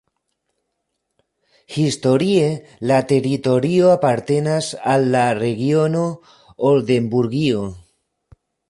Historie la teritorio apartenas al la regiono Oldenburgio.